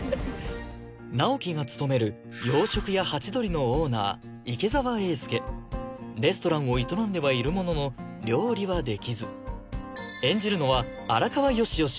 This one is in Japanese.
直木が勤める洋食屋ハチドリのオーナー池澤英介レストランを営んではいるものの料理はできず演じるのは荒川良々